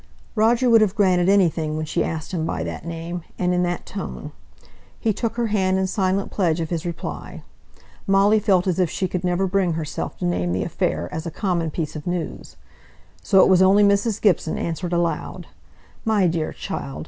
Roger would have granted anything when she asked him by that name, and in that tone. He took her hand in silent pledge of his reply. Molly felt as if she could never bring herself to name the affair as a common piece of news. So it was only Mrs. Gibson that answered aloud, "My dear child!